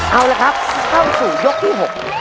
เอาละครับเข้าสู่ยกที่๖